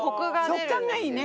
食感がいいね。